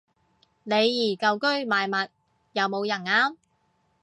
李怡舊居賣物，有冇人啱